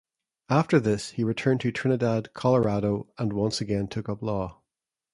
After this, he returned to Trinidad, Colorado, and once again took up law.